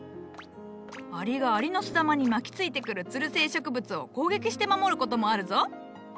アリがアリノスダマに巻きついてくるつる性植物を攻撃して守ることもあるぞ。